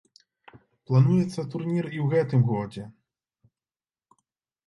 Плануецца турнір і ў гэтым годзе.